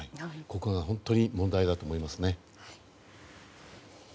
ここが本当に問題だと思いますね。